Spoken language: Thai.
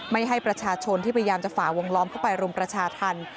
ไม่ให้ประชาชนที่พยายามจะฝ่าวงล้อมเข้าไปรุมประชาธรรม